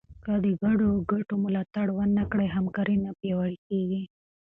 که د ګډو ګټو ملاتړ ونه کړې، همکاري نه پیاوړې کېږي.